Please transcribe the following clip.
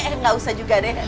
enggak usah juga deh